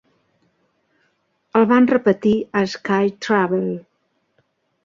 El van repetir a Sky Travel.